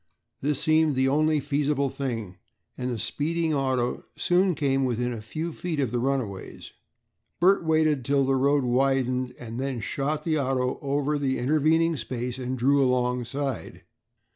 This seemed the only feasible thing and the speeding auto soon came within a few feet of the runaways. Bert waited till the road widened and then shot the auto over the intervening space and drew alongside.